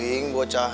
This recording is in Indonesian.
bagaimana keadaan kak